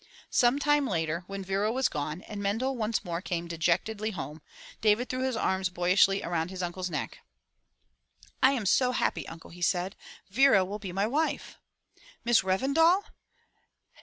Some time later when Vera was gone and Mendel once more came dejectedly home, David threw his arms boyishly around his uncle's neck. 20I MY BOOK HOUSE "I am so fiappy, uncle/' he said. "Vera will be my wife/* "Miss Revendal!